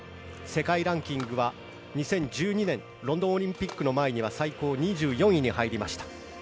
世界ランキングは２０１２年ロンドンオリンピックの前には最高２４位に入りました。